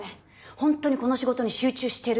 ホントにこの仕事に集中してる？